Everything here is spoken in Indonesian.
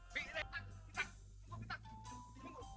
bingung tunggu tunggu